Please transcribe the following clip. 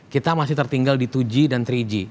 kita masih tertinggal di dua g dan tiga g